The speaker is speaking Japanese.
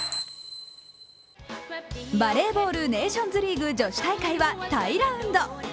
バレーボールネーションズリーグ女子大会はタイラウンド。